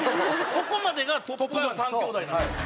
ここまでがトップガン３兄弟なんですよ。